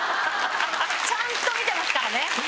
ちゃんと見てますからね私。